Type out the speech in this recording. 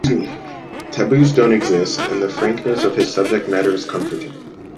Taboos don't exist, and the frankness of his subject matter is comforting.